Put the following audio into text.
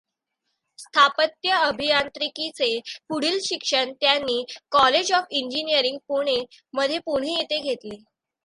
स्थापत्य अभियांत्रीकीचे पुढील शिक्षण त्यांनी कॉलेज ऑफ इंजिनीयरींग, पुणे मध्ये पुणे येथे घेतले.